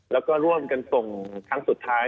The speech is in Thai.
แล้วก็ร่วมกันส่งครั้งสุดท้าย